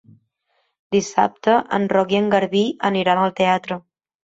Dissabte en Roc i en Garbí aniran al teatre.